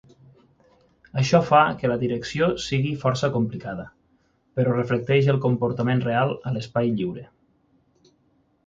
Això fa que la direcció sigui força complicada, però reflecteix el comportament real a l'espai lliure.